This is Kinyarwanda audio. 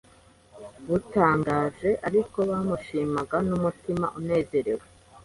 butangaje, ariko bamushimaga n'umutima unezerewe.